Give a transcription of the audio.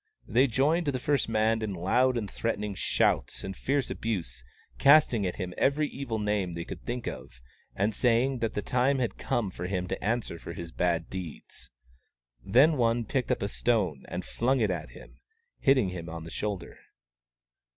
They joined the first man in loud and threatening shouts and fierce abuse, casting at him every evil name they could think of, and saying that the time had come for him to answer for his bad deeds. Then one picked WAUNG. THE CROW 63 up a stone and flung it at him, hitting him on the shoulder.